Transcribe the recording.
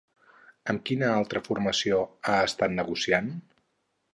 Amb quina altra formació ha estat negociant?